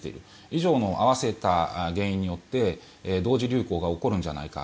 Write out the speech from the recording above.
以上の合わせた原因によって同時流行が起こるんじゃないか。